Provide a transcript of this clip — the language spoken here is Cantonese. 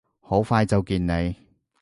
好快就見你！